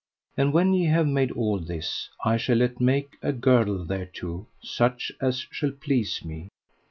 And when ye have made all this I shall let make a girdle thereto, such as shall please me.